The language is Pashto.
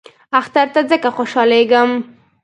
اختر ته ځکه خوشحالیږم .